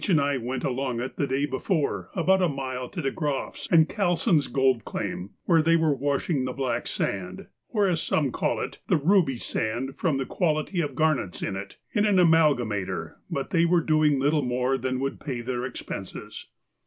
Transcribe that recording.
and I went along it the day before for about a mile to De Groff's and Callsen's gold claim, where they were washing the black sand, or, as some call it, the ruby sand from the quantity of garnets in it, in an amalgamator, but they were doing little more than would pay their expenses.